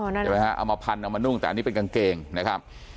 ใช่ไหมฮะเอามาพันเอามานุ่งแต่อันนี้เป็นกางเกงนะครับ